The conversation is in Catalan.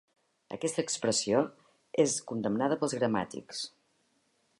Aquesta expressió és condemnada pels gramàtics.